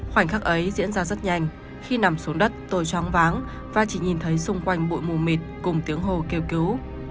khoảnh khắc ấy diễn ra rất nhanh khi nằm xuống đất tôi choáng váng và chỉ nhìn thấy xung quanh bụi mù mịt cùng tiếng hồ kêu cứu